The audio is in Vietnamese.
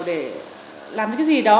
để làm cái gì đó